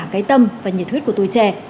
cả cái tâm và nhiệt huyết của tuổi trẻ